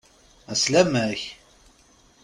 Ɛeslama-k!